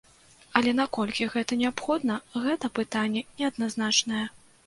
Але наколькі гэта неабходна, гэта пытанне неадназначнае.